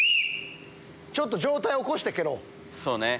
ちょっと上体を起こして蹴ろう。